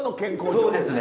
そうですね。